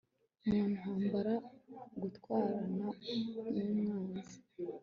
mu ntambara turwana numwanzi